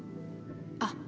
あっ！